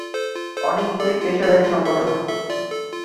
অনেকগুলিই পেশাদারী সংগঠন।